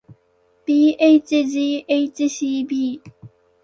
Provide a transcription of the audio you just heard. bhghcb